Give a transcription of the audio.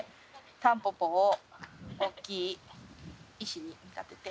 タンポポを大きい石に見立てて。